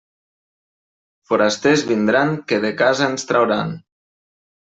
Forasters vindran que de casa ens trauran.